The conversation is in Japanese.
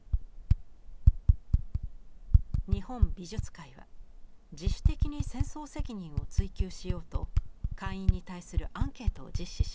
日本美術会は自主的に戦争責任を追及しようと会員に対するアンケートを実施しました。